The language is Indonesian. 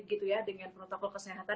gitu ya dengan protokol kesehatan